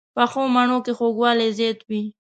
پخو مڼو کې خوږوالی زیات وي